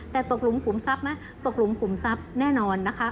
แต่ตกหลุมขุมทรัพย์นะตกหลุมขุมทรัพย์แน่นอนนะคะ